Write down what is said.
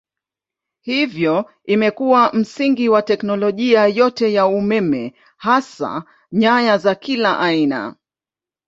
Hivyo imekuwa msingi wa teknolojia yote ya umeme hasa nyaya za kila aina.